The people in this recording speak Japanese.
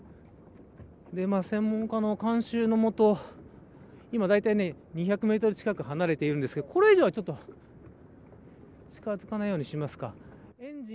専門家の監修のもと今だいたい２００メートル近く離れているんですがこれ以上は近づかないようにしますか。